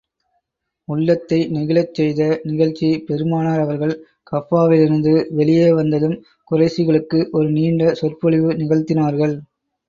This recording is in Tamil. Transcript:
உள்ளத்தை நெகிழச் செய்த நிகழ்ச்சி பெருமானார் அவர்கள் கஃபாவிலிருந்து வெளியே வந்ததும், குறைஷிகளுக்கு ஒரு நீண்ட சொற்பொழிவு நிகழ்த்தினார்கள்.